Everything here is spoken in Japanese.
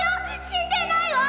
死んでないわ！